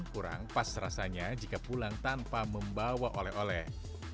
kurang pas rasanya jika pulang tanpa membawa oleh oleh